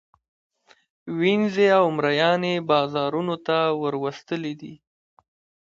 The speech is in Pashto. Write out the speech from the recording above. وینزې او مرییان یې بازارانو ته وروستلي دي.